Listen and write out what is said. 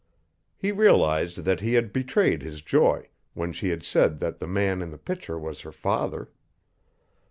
He realized that he had betrayed his joy when she had said that the man in the picture was her father.